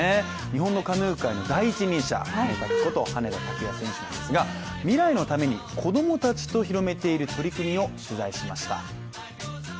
日本のカヌー界の第一人者、ハネタクこと羽根田卓也選手なんですが未来のために子供たちと広めている取り組みを取材しました。